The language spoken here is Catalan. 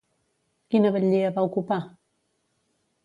Quina batllia va ocupar?